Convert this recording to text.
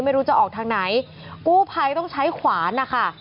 ไม่รู้จะออกทางไหนกู้ภัยต้องใช้ขวานนะคะ